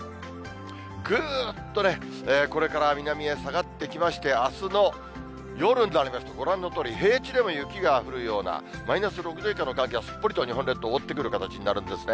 ぐーっとね、これから南へ下がってきまして、あすの夜になりますと、ご覧のとおり、平地でも雪が降るような、マイナス６度以下の寒気がすっぽりと日本列島覆ってくる形になるんですね。